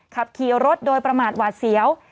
ขับขี่รถโดยประมาทหวาดเสียว